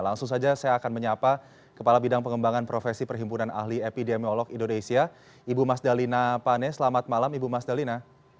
langsung saja saya akan menyapa kepala bidang pengembangan profesi perhimpunan ahli epidemiolog indonesia ibu mas dalina pane selamat malam ibu mas dalina